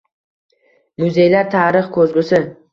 Muzeylar – tarix ko‘zgusi